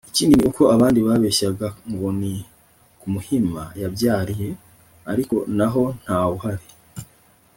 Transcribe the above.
Ikindi ni uko abandi babeshyaga ngo ni ku Muhima yabyariye ariko na ho nta wuhari